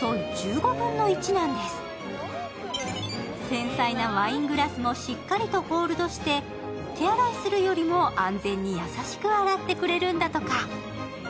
繊細なワイングラスもしっかりとホールドして安全に優しく洗ってくれるんだとか。